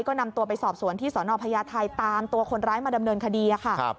ก็นำตัวไปสอบสวนที่สนพญาไทยตามตัวคนร้ายมาดำเนินคดีค่ะ